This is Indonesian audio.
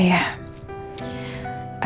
tidak ada yang bisa diperhatikan